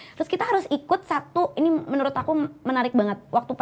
terus terus terus gue jadi salah fokus